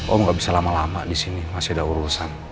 om gak bisa lama lama disini masih ada urusan